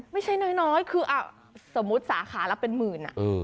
ไม่ใช่น้อยคือสมมุติสาขาละเป็นหมื่น